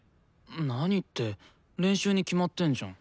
何って練習に決まってんじゃん。